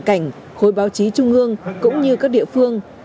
cảnh khối báo chí trung ương cũng như các địa phương